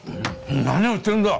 何を言ってるんだ！